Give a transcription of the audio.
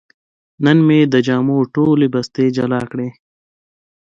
نن مې د جامو ټولې بستې جلا کړې.